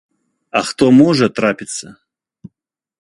А хто можа трапіцца.